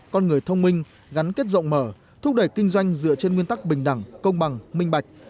con người thông minh gắn kết rộng mở thúc đẩy kinh doanh dựa trên nguyên tắc bình đẳng công bằng minh bạch